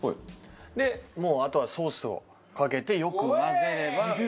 もうあとはソースをかけてよく混ぜれば。